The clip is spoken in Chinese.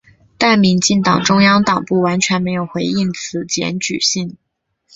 但民进党中央党部完全没有回应此检举信。